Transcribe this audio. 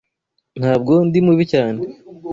Ntabwo ndi mubi cyane.